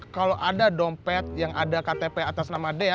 kalau ada dompet yang ada ktp atas nama dea